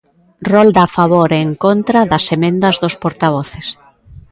Rolda a favor e en contra das emendas dos portavoces.